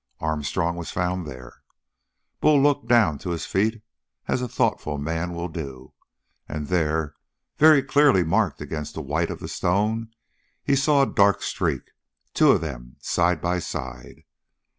Armstrong was found there. Bull looked down to his feet as a thoughtful man will do, and there, very clearly marked against the white of the stone, he saw a dark streak two of them, side by side.